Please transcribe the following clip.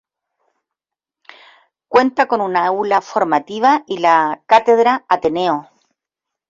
Cuenta con un Aula Formativa y la Cátedra Ateneo.